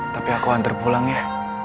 tapi aku antar pulang ya